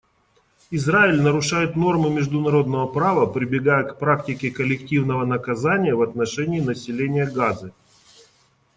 Израиль нарушает нормы международного права, прибегая к практике коллективного наказания в отношении населения Газы.